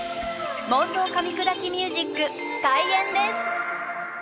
「妄想かみ砕きミュージック」開演です！